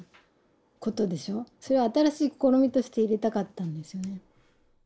それを新しい試みとして入れたかったんですよね。